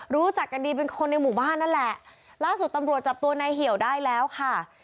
รู้จักกันดีเป็นคนในหมู่บ้านนั่นแหละล่าสุดตำรวจจับตัวนายเหี่ยวได้แล้วค่ะ